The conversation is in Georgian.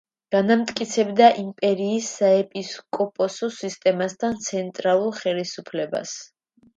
განამტკიცებდა იმპერიის საეპისკოპოსო სისტემას და ცენტრალურ ხელისუფლებას.